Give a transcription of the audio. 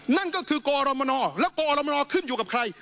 นั่นก็คือกรมนและกรมนขึ้นอยู่กับใคร